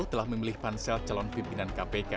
telah memilih pansel calon pimpinan kpk